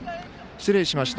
失礼しました。